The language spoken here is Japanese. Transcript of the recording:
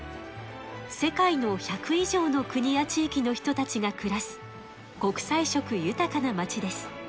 世界の１００いじょうの国やちいきの人たちがくらす国さい色ゆたかな町です。